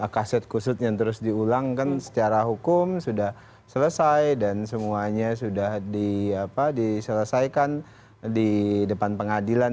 kaset kusut yang terus diulangkan secara hukum sudah selesai dan semuanya sudah diselesaikan di depan pengadilan